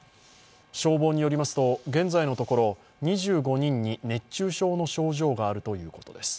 消防によりますと、現在のところ、２５人に熱中症の症状があるということです。